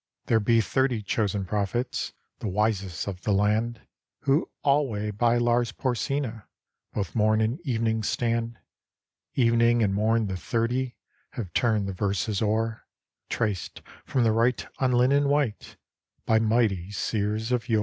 There be thirty chosen prophets, The wisest of the land, Who alway by Lars Porsena Both morn and evening stand: Evening and morn the Thirty Have turned the verses o'er, Traced from the right on linen white By mighty seers of yore.